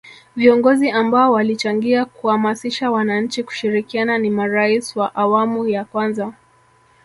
viongozi ambao walichangia kuamasisha wananchi kushirikiana ni marais wa awmu ya kwanza